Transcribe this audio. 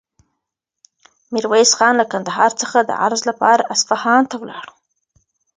میرویس خان له کندهار څخه د عرض لپاره اصفهان ته ولاړ.